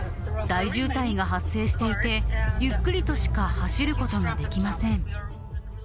大渋滞が発生していて、ゆっくりとしか走ることができません。